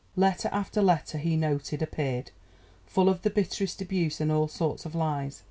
Letter after letter, he noted, appeared "full of the bitterest abuse and all sorts of lies.